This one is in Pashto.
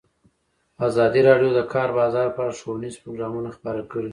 ازادي راډیو د د کار بازار په اړه ښوونیز پروګرامونه خپاره کړي.